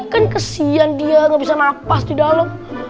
kan kesian dia nggak bisa nafas di dalam